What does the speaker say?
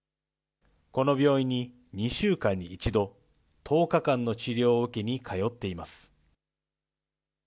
この病院に２週間に１度、１０日間の治療を受けに通っています。